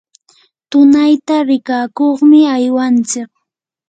tunayta rikakuqmi aywanchik.